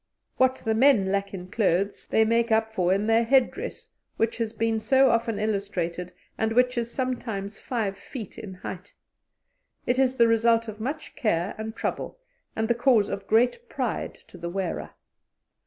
What the men lack in clothes they make up for in their head dress, which has been so often illustrated, and which is sometimes 5 feet in height. It is the result of much care and trouble, and the cause of great pride to the wearer.